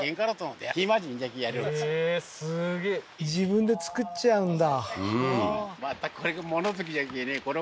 自分で造っちゃうんだ？